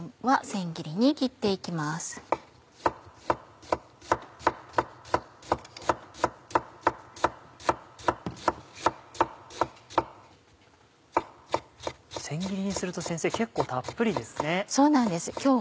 千切りにすると先生結構たっぷりですね。